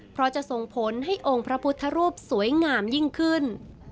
เพราะจะส่งผลให้องค์พระพุทธรูปสวยงามยิ่งขึ้น